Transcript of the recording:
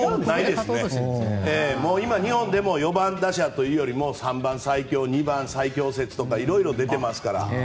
今、日本でも４番打者というよりも３番最強２番最強説とかいろいろ出ていますから。